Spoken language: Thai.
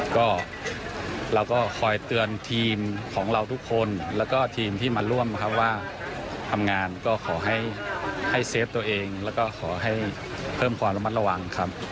ก็เราก็คอยเตือนทีมของเราทุกคนแล้วก็ทีมที่มาร่วมครับว่าทำงานก็ขอให้เซฟตัวเองแล้วก็ขอให้เพิ่มความระมัดระวังครับ